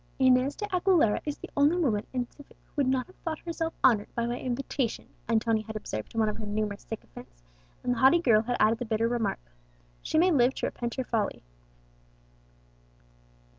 "Inez de Aguilera is the only woman in Seville who would not have thought herself honoured by my invitation," Antonia had observed to one of her numerous sycophants; and the haughty girl had added the bitter remark, "She may live to repent her folly."